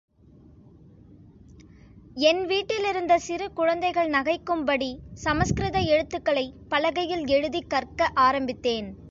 என் வீட்டிலிருந்த சிறு குழந்தைகள் நகைக்கும்படி, சம்ஸ்கிருத எழுத்துகளை, பலகையில் எழுதிக் கற்க ஆரம்பித்தேன்!